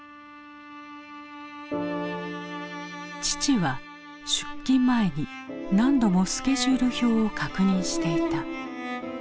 父は出勤前に何度もスケジュール表を確認していた。